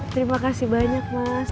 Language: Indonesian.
terima kasih banyak mas